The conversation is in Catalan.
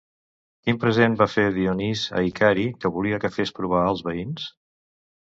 Quin present va entregar Dionís a Icari que volia que fes provar als veïns?